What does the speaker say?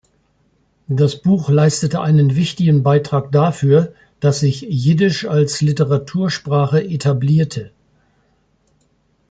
Das Buch leistete einen wichtigen Beitrag dafür, dass sich Jiddisch als Literatursprache etablierte.